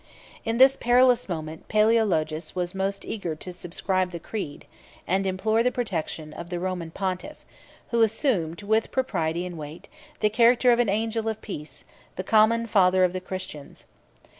38 In this perilous moment, Palæologus was the most eager to subscribe the creed, and implore the protection, of the Roman pontiff, who assumed, with propriety and weight, the character of an angel of peace, the common father of the Christians.